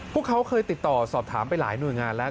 พวกเขาเคยติดต่อสอบถามไปหลายหน่วยงานแล้ว